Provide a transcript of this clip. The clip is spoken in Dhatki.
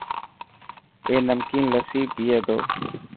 اي نمڪين لسي پئي تو.